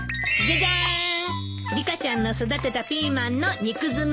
リカちゃんの育てたピーマンの肉詰めよ。